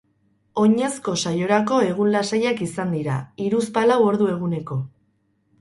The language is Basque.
Oinezko saiorako egun lasaiak izan dira, hiruzpalau ordu eguneko.